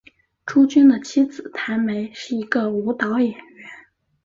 朱军的妻子谭梅是一个舞蹈演员。